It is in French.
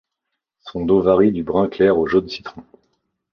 Son dos varie du brun clair au jaune citron.